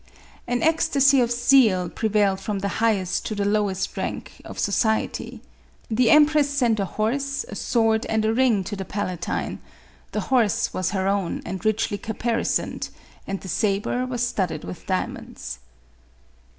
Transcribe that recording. An ecstacy of zeal prevailed from the highest to the lowest rank of society. The em press sent a horse, a sword and a ring to the pala tine ; the horse was her own, and richly caparisoned, and the sabre was studded with diamonds.